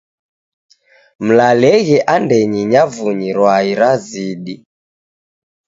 Mlalenghe andenyi nyavunyi rwai razidi.